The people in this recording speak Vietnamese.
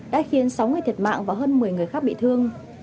đã khiến sáu người thiệt mạng và hơn một mươi người khác bị thương